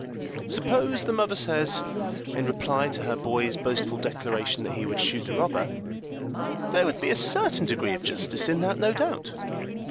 Suppose the mother says, in reply to her boy's boastful declaration that he would shoot the robber, "There would be a certain degree of justice in that, no doubt."